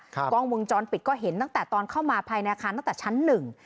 กล้องวงจรปิดก็เห็นตั้งแต่ตอนเข้ามาภายในอาคารตั้งแต่ชั้นหนึ่ง